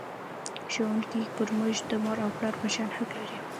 ښوونکی پر موږ د مور او پلار په شان حق لري.